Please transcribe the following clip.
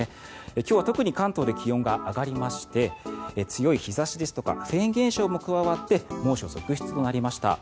今日は特に関東で気温が上がりまして強い日差しですとかフェーン現象も加わって猛暑続出となりました。